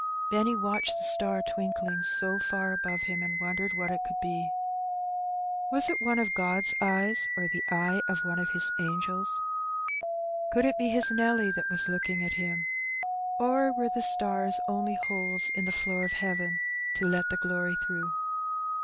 Benny watched the star twinkling so far above him, and wondered what it could be. Was it one of Qod^s eyes, or the eye of one of His angels? Could it be his Nelly that was looking at him? Or were the stars only holes in the floor of heaven to let the glory through?